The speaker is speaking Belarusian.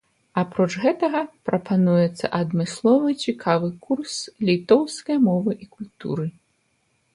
Апроч гэтага прапануецца адмысловы цікавы курс літоўскае мовы і культуры.